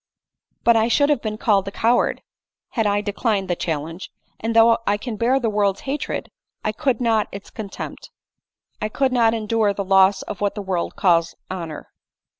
" But I should have been called a coward had I de clined the challenge ; and though I can bear the world's hatred, I could not its contempt ; I could not endure the loss of what the world calls honor."